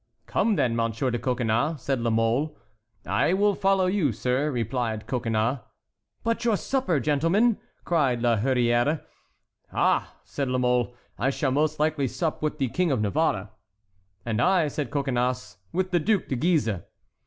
"Come, then, Monsieur de Coconnas," said La Mole. "I will follow you, sir," replied Coconnas. "But your supper, gentlemen!" cried La Hurière. "Ah," said La Mole, "I shall most likely sup with the King of Navarre." "And I," said Coconnas, "with the Duc de Guise."